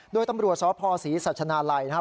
ด้วยตำรวจศพศรีสัชนายนะครับ